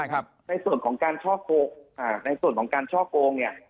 ในส่วนของการช่อโกงในส่วนของการช่อโกงเนี่ย